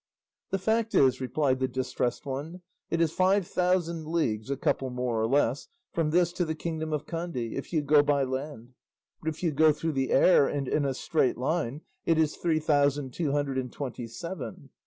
"The fact is," replied the Distressed One, "it is five thousand leagues, a couple more or less, from this to the kingdom of Kandy, if you go by land; but if you go through the air and in a straight line, it is three thousand two hundred and twenty seven.